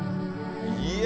いや！